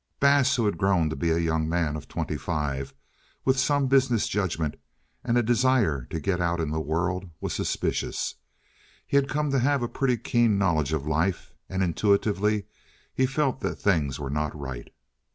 Bass, who had grown to be a young man of twenty five, with some business judgment and a desire to get out in the world, was suspicious. He had come to have a pretty keen knowledge of life, and intuitively he felt that things were not right.